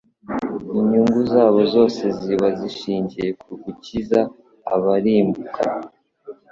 Inyungu zabo zose zizaba zishingiye ku gukiza abarimbuka.